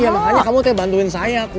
ya makanya kamu harus bantuin saya kum